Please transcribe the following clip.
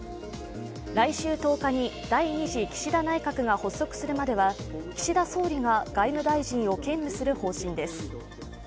来週１０日に第２次岸田内閣が発足するまでは、岸田総理が外務大臣を兼務する方針です。